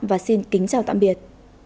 và xin kính chào tạm biệt